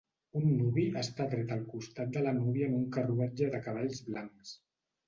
Un nuvi està dret al costat de la núvia en un carruatge de cavalls blancs.